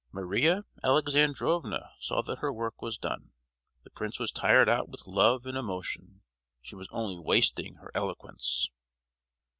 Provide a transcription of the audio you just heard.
Maria Alexandrovna saw that her work was done: the prince was tired out with love and emotion. She was only wasting her eloquence!